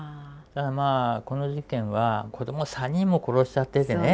ただまあこの事件は子ども３人も殺しちゃっててね